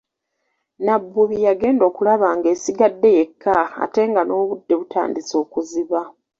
Nabbubi yagenda okulaba ng'esigadde yekka ate nga n'obudde butandise okuziba.